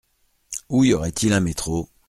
Où y aurait-il un métro ?